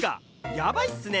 やばいっすね